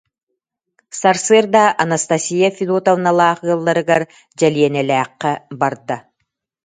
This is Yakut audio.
Сарсыарда Анастасия Федотовналаах ыалларыгар Дьэлиэнэлээххэ барда